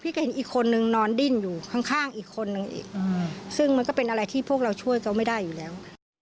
ก็เห็นอีกคนนึงนอนดิ้นอยู่ข้างอีกคนนึงอีกซึ่งมันก็เป็นอะไรที่พวกเราช่วยเขาไม่ได้อยู่แล้ว